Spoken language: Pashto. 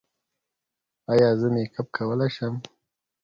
ایا زه میک اپ کولی شم؟